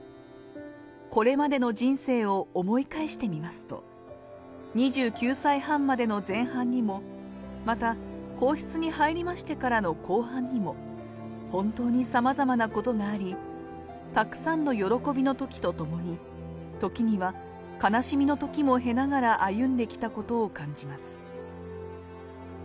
これまでの人生を思い返してみますと、２９歳半までの前半にも、また皇室に入りましてからの後半にも、本当にさまざまなことがあり、たくさんの喜びの時とともに、時には悲しみのときも経ながら歩んできたことを感じます。